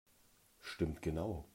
Stimmt genau!